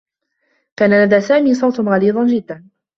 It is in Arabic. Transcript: كان لدى سامي صوت غليظ جدّا.